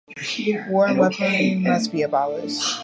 War and weaponry must be abolished.